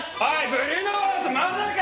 ブリュノワーズまだか！